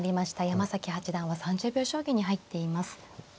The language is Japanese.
山崎八段は３０秒将棋に入っています。